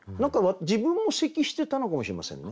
自分も咳してたのかもしれませんね。